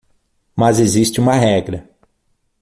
Mas existe uma regra